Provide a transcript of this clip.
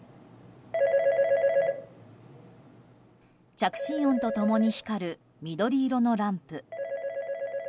着信音と共に光る緑色のランプ。